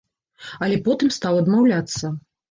Але потым стаў адмаўляцца.